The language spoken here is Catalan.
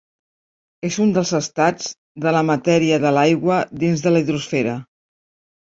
És un dels estats de la matèria de l'aigua dins la hidrosfera.